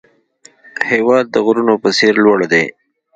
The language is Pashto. هېواد د غرونو په څېر لوړ دی.